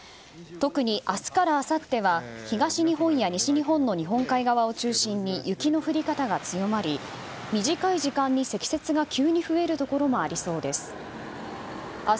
特に明日からあさっては東日本や西日本の日本海側を中心に雪の降り方が強まり短い時間に積雪が急に増えるところもありそうです。